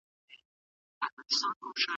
د افغانستان پوهنه ولې وروسته پاتې ده؟